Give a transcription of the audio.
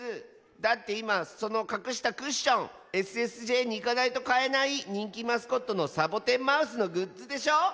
だっていまそのかくしたクッションＳＳＪにいかないとかえないにんきマスコットのサボテンマウスのグッズでしょ！